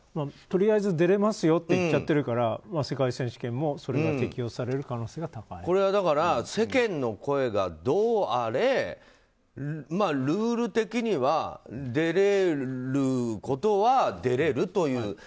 とりあえず出れますよって言っちゃっているから世界選手権もこれはだから世間の声がどうあれルール的には出れることは、出れるという。